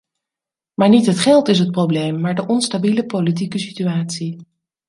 Maar niet het geld is het probleem, maar de onstabiele politieke situatie.